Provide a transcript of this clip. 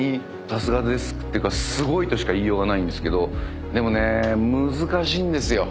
さすがですっていうかすごいとしか言いようがないんですけどでもね難しいんですよ。